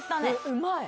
うまい。